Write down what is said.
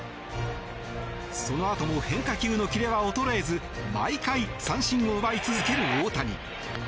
そのあとも変化球のキレは衰えず毎回、三振を奪い続ける大谷。